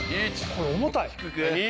これ重たい。